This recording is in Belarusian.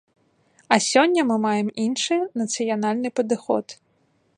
А сёння мы маем іншы, нацыянальны падыход.